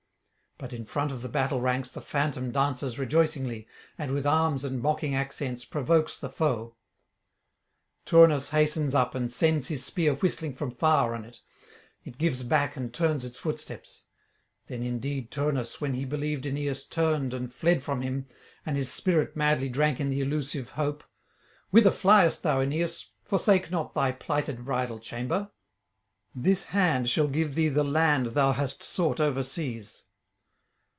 But in front of the battle ranks the phantom dances rejoicingly, and with arms and mocking accents provokes the foe. Turnus hastens up and sends his spear whistling from far on it; it gives back and turns its footsteps. Then indeed Turnus, when he believed Aeneas turned and fled from him, and his spirit madly drank in the illusive hope: 'Whither fliest thou, Aeneas? forsake not thy plighted bridal chamber. This hand shall give thee the land thou hast sought overseas.'